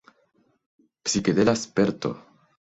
Psikedela sperto!